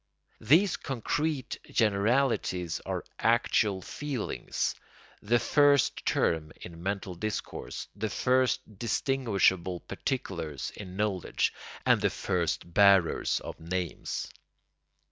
These concrete generalities are actual feelings, the first terms in mental discourse, the first distinguishable particulars in knowledge, and the first bearers of names.